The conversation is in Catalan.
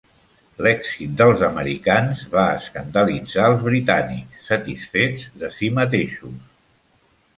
L'èxit dels americans va escandalitzar els britànics satisfets de si mateixos.